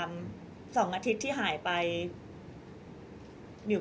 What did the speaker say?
ก็ต้องฝากพี่สื่อมวลชนในการติดตามเนี่ยแหละค่ะ